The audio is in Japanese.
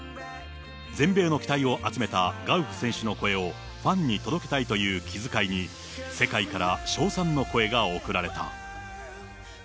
全米の期待を集めたガウフ選手の声をファンに届けたいという気遣いに、世界から称賛の声が送られた。